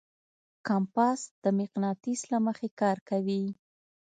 کمپاس د مقناطیس له مخې کار کوي.